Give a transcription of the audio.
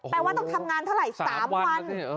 ว่าต้องทำงานเท่าไหร่๓วัน